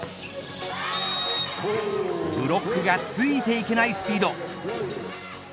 ブロックがついていけないスピード。